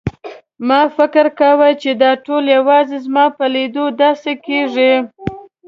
ما فکر کاوه چې دا ټول یوازې زما په لیدو داسې کېږي.